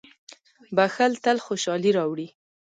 • بښل تل خوشالي راوړي.